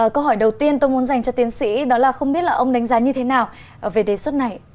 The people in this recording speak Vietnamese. câu hỏi đầu tiên tôi muốn dành cho tiến sĩ đó là không biết là ông đánh giá như thế nào về đề xuất này